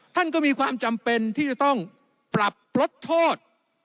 ท่านก็มีความจำเป็นที่จะต้องปรับลดโทษ